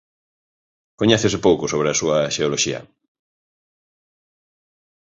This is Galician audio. Coñécese pouco sobre a súa xeoloxía.